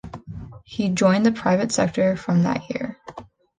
He joined the private sector from that year.